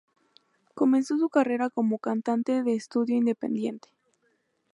Comenzó su carrera como cantante de estudio independiente.